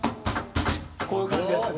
こういう感じでやってて。